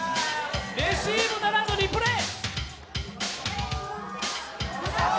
レシーブならず、リプレー。